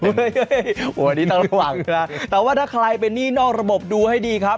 วันนี้ต้องระวังนะแต่ว่าถ้าใครเป็นหนี้นอกระบบดูให้ดีครับ